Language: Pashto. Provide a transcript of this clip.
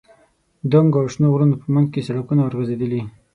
دنګو او شنو غرونو په منځ کې سړکونه ورغځېدلي.